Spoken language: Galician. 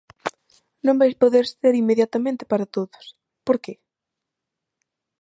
Non vai poder ser inmediatamente para todos, ¿por que?